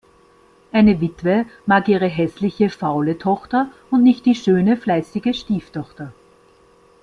Eine Witwe mag ihre hässliche, faule Tochter und nicht die schöne, fleißige Stieftochter.